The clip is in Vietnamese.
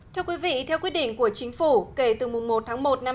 theo quyết định của chính phủ kể từ một tháng một năm hai nghìn hai mươi